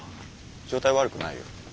状態悪くないよ。